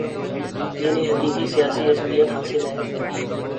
جنہیں حقیقی سیاسی عصبیت حاصل ہے